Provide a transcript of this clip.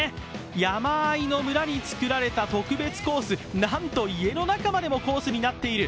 山あいの村に造られた特別コース、なんと家の中までもコースになっている。